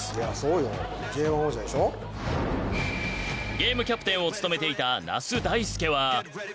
ゲームキャプテンを務めていた那須大亮は。